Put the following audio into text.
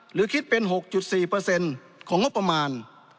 หรือคิดเป็น๖๔เปอร์เซ็นต์ของงบประมาณ